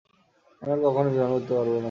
আমি আর কখনোই বিমান উড়াতে পারবো না।